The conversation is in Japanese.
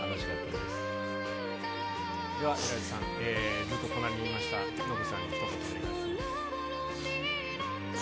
では、エライザさん、ずっと隣にいましたノブさんにひと言お願いします。